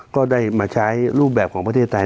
ก็ได้มาใช้รูปแบบของประเทศไทย